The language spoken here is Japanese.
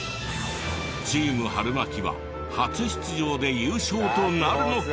チームはるまきは初出場で優勝となるのか？